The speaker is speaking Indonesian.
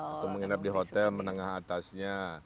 atau menginap di hotel menengah atasnya